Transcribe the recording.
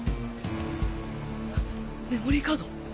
メモリーカード！